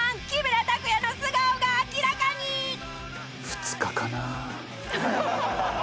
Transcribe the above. ２日かな。